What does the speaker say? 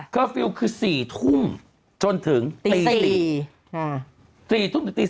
คือสี่ทุ่มจนถึงตี๔